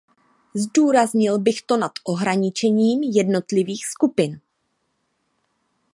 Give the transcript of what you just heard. Zdůraznil bych to nad ohraničením jednotlivých skupin.